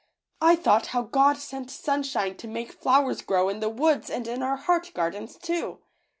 I thought how God sent sunshine to make flowers grow in the woods and in our heart gardens, too.